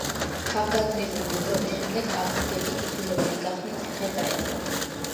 თავგანწირული ბრძოლის შემდეგ აბაზგები იძულებული გახდნენ ციხე დაეთმოთ.